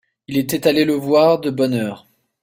Il était allé le voir de bonne heure.